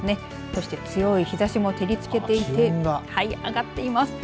そして強い日ざしも照りつけていて気温が上がっています。